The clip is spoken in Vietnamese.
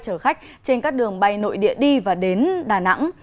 chở khách trên các đường bay nội địa đi và đến đà nẵng